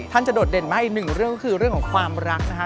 จะโดดเด่นมากอีกหนึ่งเรื่องก็คือเรื่องของความรักนะคะ